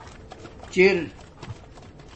چٔر